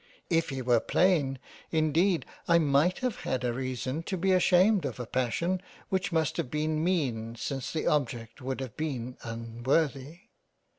If he were plain indeed I might have had reason to be ashamed of a passion which must have been mean since the object would have been unworthy.